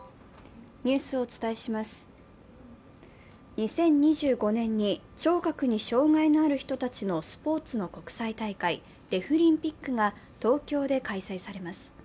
２０２５年に聴覚に障害のある人たちのスポーツの国際大会、デフリンピックが東京で開催されます。